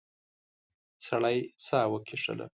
سړی ساه وکیښله.